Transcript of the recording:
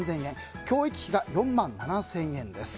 共益費が４万７０００円です。